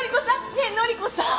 ねえ乃里子さん！